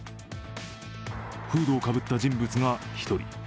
フードをかぶった人物が１人。